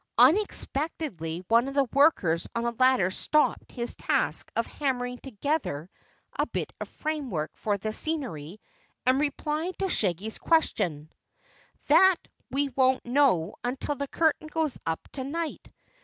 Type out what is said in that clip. Unexpectedly one of the workers on a ladder stopped his task of hammering together a bit of framework for the scenery and replied to Shaggy's question: "That we won't know until the curtain goes up tonight.